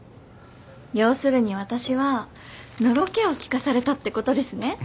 要するに私はのろけを聞かされたってことですね。